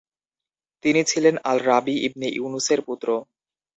তিনি ছিলেন Al Rabi ibn ইউনূসের পূত্র।